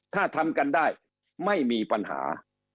ถ้าทำกันได้ไม่มีปัญหา